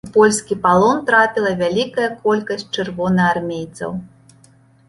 У польскі палон трапіла вялікая колькасць чырвонаармейцаў.